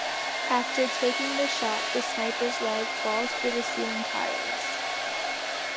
After taking the shot, the sniper's leg falls through the ceiling tiles.